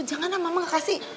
janganlah mama nggak kasih